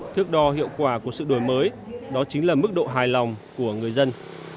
thước đo hiệu quả của sự đổi mới đó chính là mức độ hài lòng của người dân